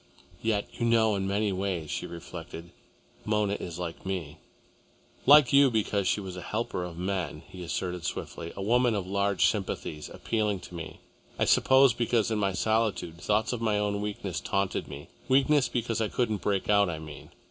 "Yet, you know, in many ways," she reflected, "Mona is like me." "Like you because she was a helper of men," he assented swiftly, "a woman of large sympathies, appealing to me, I suppose, because in my solitude, thoughts of my own weakness taunted me, weakness because I couldn't break out, I mean.